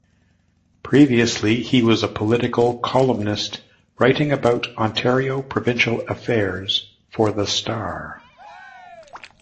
Previously, he was a political columnist, writing about Ontario provincial affairs for the Star.